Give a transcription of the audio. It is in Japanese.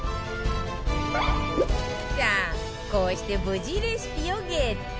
さあこうして無事レシピをゲット